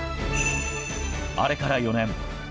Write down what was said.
あれから４年。